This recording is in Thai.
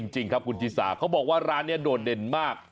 จริงครับคุณชิสาเขาบอกว่าร้านนี้โดดเด่นมาก